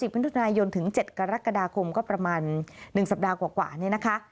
มิถุนายนถึง๗กรกฎาคมก็ประมาณ๑สัปดาห์กว่านี้นะคะ